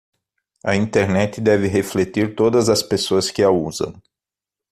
A Internet deve refletir todas as pessoas que a usam